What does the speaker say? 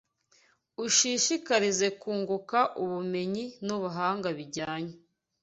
ushishikarize kunguka ubumenyi nubuhanga bijyanye